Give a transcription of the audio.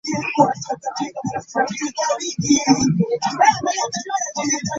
Newuunya oba mukwano gwange ye nyinni mukutu.